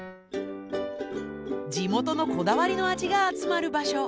地元のこだわりの味が集まる場所。